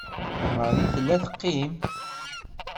Marie tella teqqim.